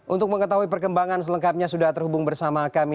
untuk mengetahui perkembangan selengkapnya sudah terhubung bersama kami